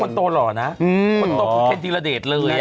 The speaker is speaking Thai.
มากคนโตร่น่ะคนโตล่ผู้แข็งทีระเด็ดเลย